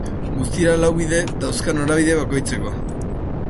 Guztira lau bide dauzka norabide bakoitzeko.